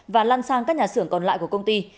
và lan sang các nhà xưởng còn lại của công ty